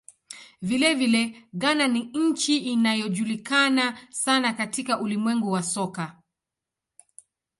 Vilevile, Ghana ni nchi inayojulikana sana katika ulimwengu wa soka.